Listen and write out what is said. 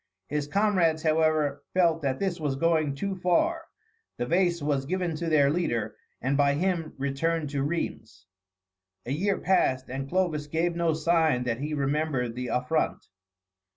His comrades, however, felt that this was going too far. The vase was given to their leader, and by him returned to Rheims. A year passed, and Clovis gave no sign that he remembered the affront.